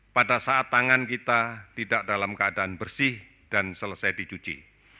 pada saat tangan kita tidak dalam keadaan bersih dan selesai dicuci